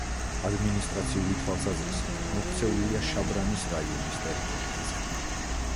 ადმინისტრაციული თვალსაზრისით მოქცეულია შაბრანის რაიონის ტერიტორიაზე.